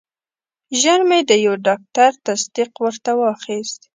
ژر مې د یو ډاکټر تصدیق ورته واخیست.